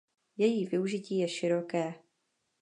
Její využití je široké.